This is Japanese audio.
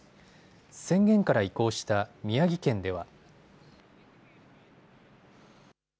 宣言から移行した宮城県では。